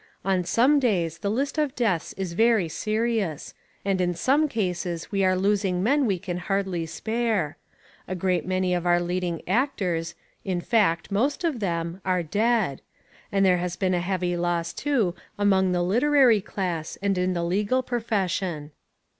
On some days the list of deaths is very serious, and in some cases we are losing men we can hardly spare. A great many of our leading actors in fact, most of them are dead. And there has been a heavy loss, too, among the literary class and in the legal profession.